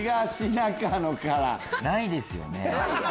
ないですよね？